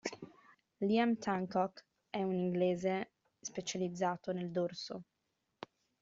Liam Tancock è un inglese specializzato nel dorso.